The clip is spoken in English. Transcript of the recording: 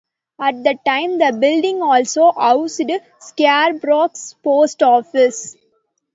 At the time, the building also housed Scarborough's post office.